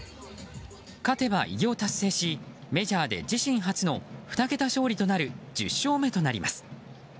勝てば偉業達成メジャー自身初の２桁勝利となる１０勝目となります。